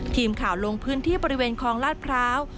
ทีมข่าวลงพื้นที่บริเวณคลองลาดพร้าว